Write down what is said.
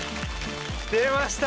出れました！